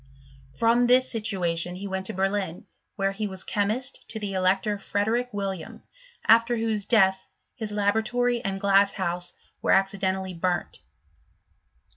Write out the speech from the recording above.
From this situation he went to Berlin, where he was chemist to the elector Frederick William ; after whose death, his laboratory and glass house were accidentally burnt.